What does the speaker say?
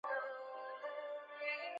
小穆瓦厄夫尔人口变化图示